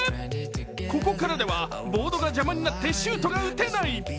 ここからではボードが邪魔になってシュートが打てない。